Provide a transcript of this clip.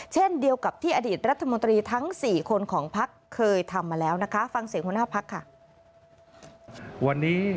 เช่นเดียวกับที่อดีตรัฐมนตรีทั้ง๔คนของภักดิ์